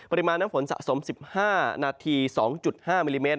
ปริมาณน้ำฝนสะสม๑๕นาที๒๕มิลลิเมตร